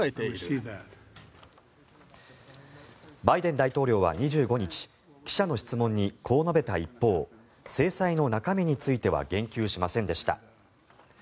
バイデン大統領は２５日記者の質問にこう述べた一方制裁の中身については言及しませんでした。